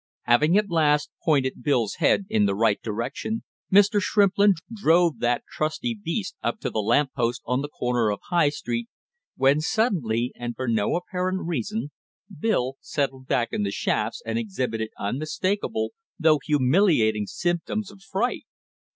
Having at last pointed Bill's head in the right direction Mr. Shrimplin drove that trusty beast up to the lamp post on the corner of High Street, when suddenly and for no apparent reason Bill settled back in the shafts and exhibited unmistakable, though humiliating symptoms of fright.